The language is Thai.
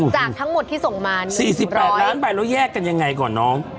จากทั้งหมดที่ส่งมา๔๘ล้านใบแล้วแยกกันยังไงก่อนน้อง